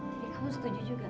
jadi kamu setuju juga